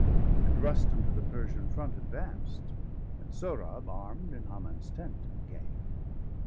290 And Rustum to the Persian front advanced, And Sohrab arm'd in Haman's tent, and came.